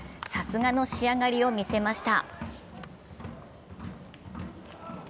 さすがの仕上がりを見せました。